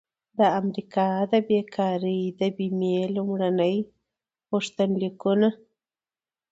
د امریکا د بیکارۍ د بیمې لومړني غوښتنلیکونه